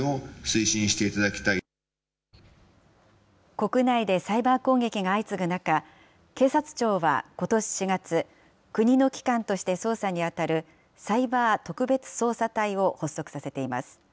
国内でサイバー攻撃が相次ぐ中、警察庁はことし４月、国の機関として捜査に当たる、サイバー特別捜査隊を発足させています。